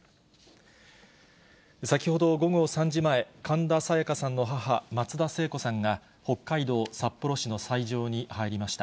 先ほど午後３時前、神田沙也加さんの母、松田聖子さんが、北海道札幌市の斎場に入りました。